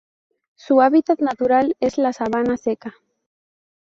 Su hábitat natural es la sabana seca.